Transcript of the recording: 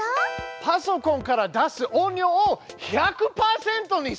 パソコンから出す音量を１００％にするんですね！